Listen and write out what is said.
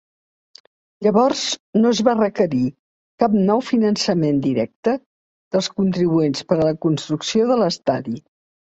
Llavors, no es va requerir cap nou finançament directe dels contribuents per a la construcció de l'estadi.